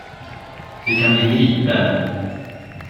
Du kan bli gripen.